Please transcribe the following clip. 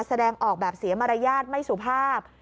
แสดงออกแบบเสียมารยาทไม่สุภาพ